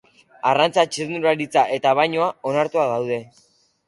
Arrantza, txirrindularitza eta bainua onartuak daude.